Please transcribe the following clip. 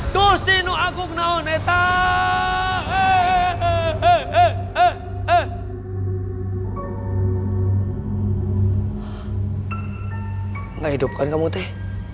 gak hidup kan kamu teh